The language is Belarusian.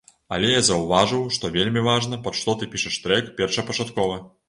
Але я заўважыў, што вельмі важна, пад што ты пішаш трэк першапачаткова.